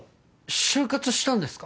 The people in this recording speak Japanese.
就活したんですか？